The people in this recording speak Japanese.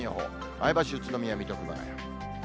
前橋、宇都宮、水戸、熊谷。